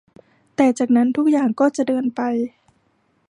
แต่จากนั้นทุกอย่างก็จะเดินไป